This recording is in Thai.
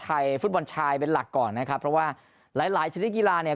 ฟุตบอลชายเป็นหลักก่อนนะครับเพราะว่าหลายหลายชนิดกีฬาเนี่ย